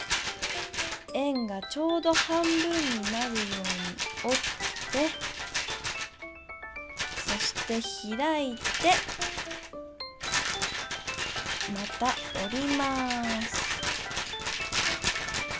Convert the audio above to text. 円がちょうど半分になるようにおってそしてひらいてまたおります。